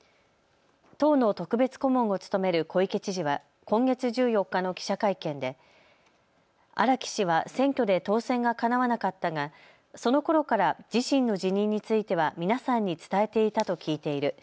党の特別顧問を務める小池知事は今月１４日の記者会見で荒木氏は選挙で当選がかなわなかったがそのころから自身の辞任については皆さんに伝えていたと聞いている。